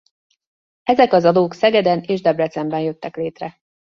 Ezek az adók Szegeden és Debrecenben jöttek létre.